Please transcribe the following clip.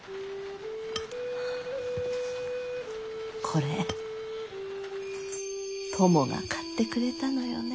これトモが買ってくれたのよね。